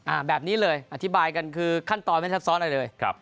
แบบนี้เลยอธิบายกันคือขั้นตอนไม่ซับซ้อนอะไรเลยครับ